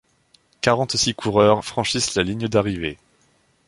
Quarante-six coureurs franchissent la ligne d'arrivée.